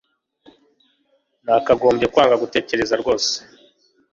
Nakagombye kwanga gutekereza rwose